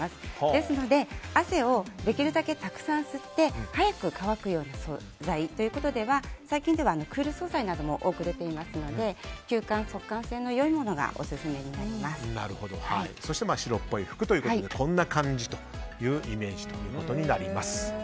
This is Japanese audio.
ですので汗をできるだけたくさん吸って早く乾く素材ということでは最近ではクール素材なども多く出ていますので吸汗速乾性の良いものがそして白っぽい服ということでこんな感じというイメージとなります。